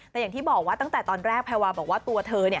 แต่อย่างที่บอกว่าตั้งแต่ตอนแรกแพรวาบอกว่าตัวเธอ